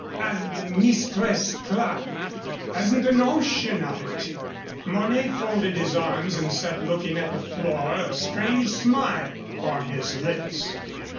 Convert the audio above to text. "And Mistress Clerke?" "Hasn't a notion of it." Mornay folded his arms and sat looking at the floor, a strange smile upon his lips.